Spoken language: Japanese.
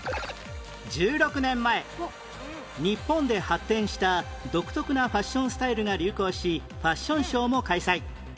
１６年前日本で発展した独特なファッションスタイルが流行しファッションショーも開催